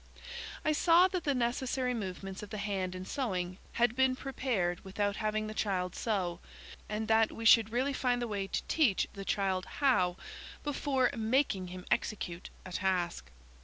I saw that the necessary movements of the hand in sewing had been prepared without having the child sew, and that we should really find the way to teach the child how, before making him execute a task.